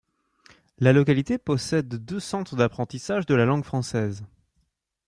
La localité possède deux centres d'apprentissage de la langue française.